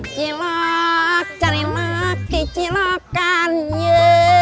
cilok cari lagi cilokannya